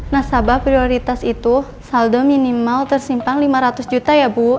nasabah prioritas itu saldo minimal tersimpang lima ratus juta ya bu